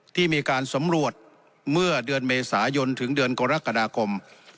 ที่มีการสำรวจเมื่อเดือนเมษายนถึงเดือนกรกฎาคม